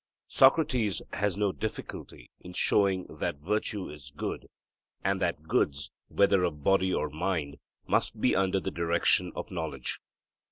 Socrates has no difficulty in showing that virtue is a good, and that goods, whether of body or mind, must be under the direction of knowledge.